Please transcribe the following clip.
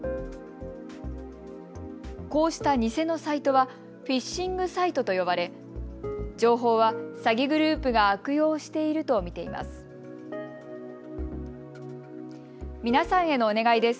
こうした偽のサイトはフィッシングサイトと呼ばれ情報は詐欺グループが悪用していると見ています。